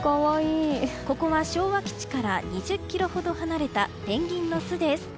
ここは、昭和基地から２０ｋｍほど離れたペンギンの巣です。